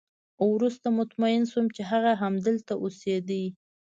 وروسته مطمئن شوم چې هغه همدلته اوسېده